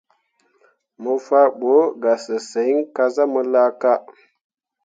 Mo faa ɓu ga sesǝŋ kah zah mu laaka.